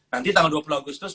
nanti tanggal dua puluh agustus